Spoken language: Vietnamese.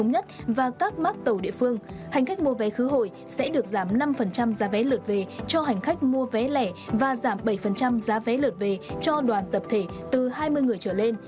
hành khách mua vé khứ hồi sẽ được giảm năm giá vé lượt về cho hành khách mua vé lẻ và giảm bảy giá vé lượt về cho đoàn tập thể từ hai mươi người trở lên